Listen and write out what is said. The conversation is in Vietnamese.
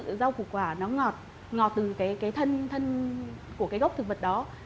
cái rau củ quả nó ngọt ngọt từ cái thân của cái gốc thực vật đó